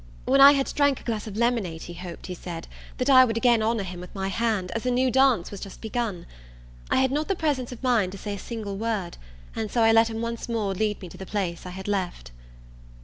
When I had drank a glass of lemonade, he hoped, he said, that I would again honour him with my hand, as a new dance was just begun. I had not the presence of mind to say a single word, and so I let him once more lead me to the place I had left.